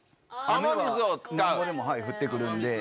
雨はなんぼでも降ってくるんで。